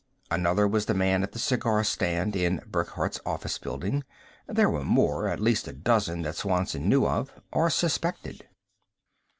Another was the man at the cigar stand in Burckhardt's office building. There were more, at least a dozen that Swanson knew of or suspected.